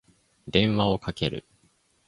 電話をかける。